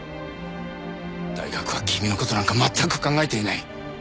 大学は君の事なんか全く考えていない。